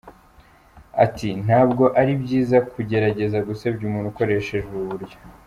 Ati “Ntabwo ari byiza kugerageza gusebya umuntu ukoresheje ubu buryo.